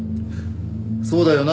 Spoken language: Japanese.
そうだよな？